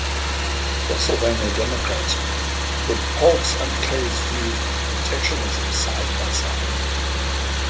Pennsylvania Democrats put Polk's and Clay's views on protectionism side by side.